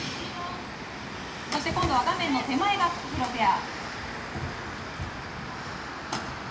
そして今度は画面の手前がフクヒロペア。